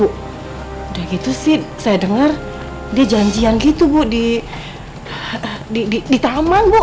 udah gitu sih saya dengar dia janjian gitu bu di taman bu